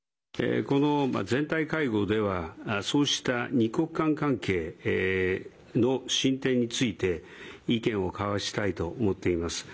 この全体会合ではそうした２国間関係の進展について意見を交わしたいと思っています。